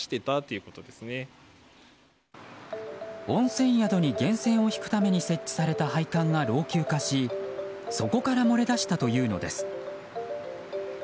温泉宿に源泉を引くために設置された配管が老朽化しそこから漏れ出したというのです。